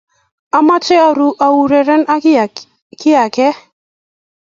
Achame aurereni ak kiakik